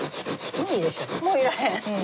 もういらへん？